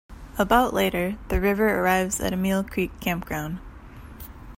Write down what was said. About later, the river arrives at Emile Creek Campground.